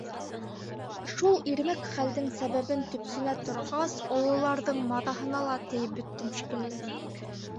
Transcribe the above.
Шул ирмәк хәлдең сәбәбен төпсөнә торғас, ололарҙың маҙаһына ла тейеп бөттөм шикелле.